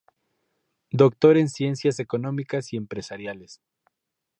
Doctor en Ciencias Económicas y Empresariales.